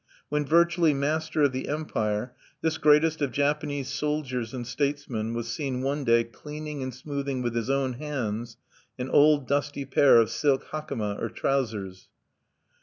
When virtually master of the empire, this greatest of Japanese soldiers and statesmen was seen one day cleaning and smoothing with his own hands an old dusty pair of silk hakama or trousers.